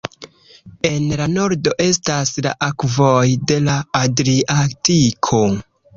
En la nordo estas la akvoj de la Adriatiko.